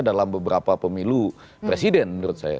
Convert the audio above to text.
dalam beberapa pemilu presiden menurut saya